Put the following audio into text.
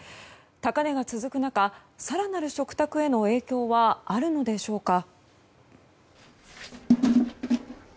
高値が続く中、更なる食卓への影響はあるのでしょうか。